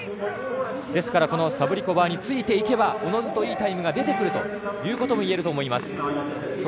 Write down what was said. ですからサブリコバーについていけば、自ずといいタイムが出てくるということもいえると思います。